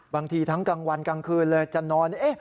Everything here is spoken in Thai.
บางทีทั้งกลางวันกลางคืนเลยจะนอน